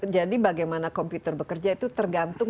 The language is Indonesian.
jadi bagaimana komputer bekerja itu tergantung